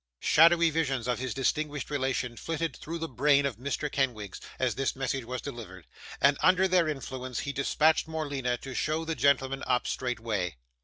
Shadowy visions of his distinguished relation flitted through the brain of Mr. Kenwigs, as this message was delivered; and under their influence, he dispatched Morleena to show the gentleman up straightway.